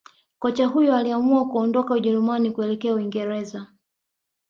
Kocha huyo aliamua kuondoka Ujerumani kuelekjea uingereza